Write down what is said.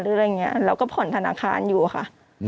เราก็ผ่อนธนาคารอยู่ค่ะ